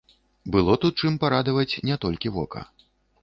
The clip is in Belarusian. Было тут чым парадаваць не толькі вока.